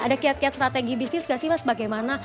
ada kiat kiat strategi bisnis gak sih mas bagaimana